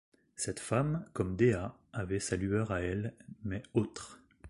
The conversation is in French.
Cette femme, comme Dea, avait sa lueur à elle, mais autre.